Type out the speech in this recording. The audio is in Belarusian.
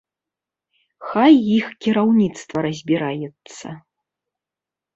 Хай іх кіраўніцтва разбіраецца.